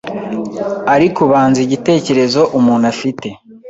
Ariko ubanza igitekerezo umuntu afite